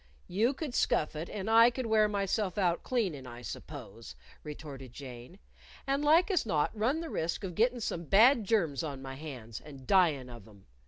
"You could scuff it and I could wear myself out cleanin', I suppose," retorted Jane. "And like as not run the risk of gittin' some bad germs on my hands, and dyin' of 'em.